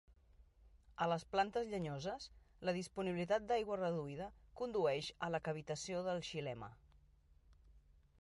A les plantes llenyoses, la disponibilitat d'aigua reduïda condueix a la cavitació del xilema.